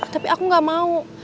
tapi aku nggak mau